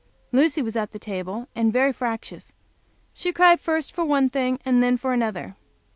Lucy was at the table, and very fractious. She cried first for one thing and then for another.